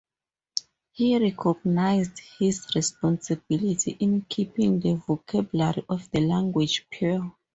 He recognized his responsibility in keeping the vocabulary of the language pure.